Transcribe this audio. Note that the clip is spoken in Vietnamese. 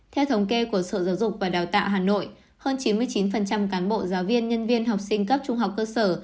theo thống kê của sở giáo dục và đào tạo hà nội hơn chín mươi chín cán bộ giáo viên nhân viên học sinh cấp trung học cơ sở